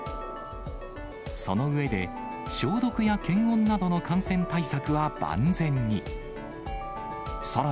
その上で、消毒や検温などの感染対策は万全に。